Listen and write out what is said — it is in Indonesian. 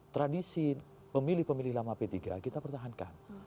tradisi pemilih pemilih lama p tiga kita pertahankan